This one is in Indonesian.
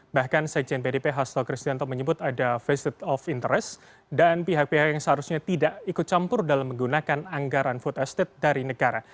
bahkan sekjen pdp hasto kristianto menyebut ada visit of interest dan pihak pihak yang seharusnya tidak ikut campur dalam menggunakan anggaran food estate dari negara